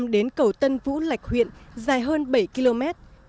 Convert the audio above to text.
đến cầu tân vũ lạch huyện dài hơn bảy km